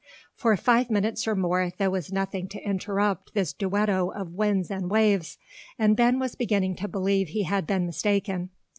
For five minutes or more there was nothing to interrupt this duetto of winds and waves, and Ben was beginning to believe he had been mistaken.